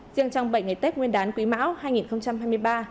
riêng trong bảy ngày tết nguyên đán quý mão hai nghìn hai mươi ba